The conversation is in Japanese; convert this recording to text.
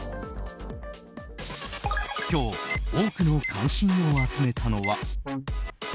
今日多くの関心を集めたのは。